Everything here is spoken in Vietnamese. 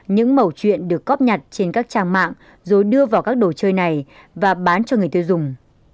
những mẫu chuyện được cóp nhặt trên các trang mạng rồi đưa vào các đồ chơi này và bán cho người tiêu dùng